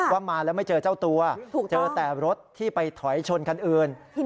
ว่ามาแล้วไม่เจอเจ้าตัวเจอแต่รถที่ไปถอยชนคันอื่น